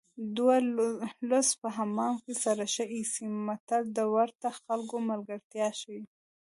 دوه لوڅ په حمام کې سره ښه ایسي متل د ورته خلکو ملګرتیا ښيي